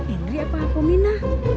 indri apa aku mina